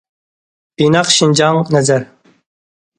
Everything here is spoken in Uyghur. ئىناق شىنجاڭ»،« نەزەر.